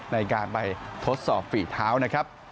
ในการไปทดสอบฝีเท้านะครับ